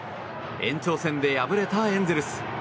延長戦で敗れたエンゼルス。